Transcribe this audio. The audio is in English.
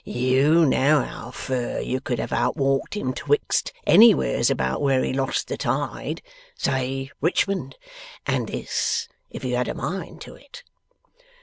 YOU know how fur you could have outwalked him betwixt anywheres about where he lost the tide say Richmond and this, if you had a mind to it.